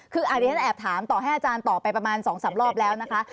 คือเดี๋ยวฉันแอบถามต่อให้อาจารย์ตอบไปประมาณ๒๓รอบแล้วนะคะ